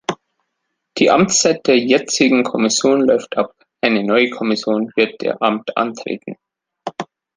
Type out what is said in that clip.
Die Amtszeit der jetzigen Kommission läuft ab, eine neue Kommission wird ihr Amt antreten.